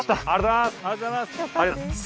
ありがとうございます。